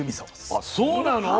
あそうなの？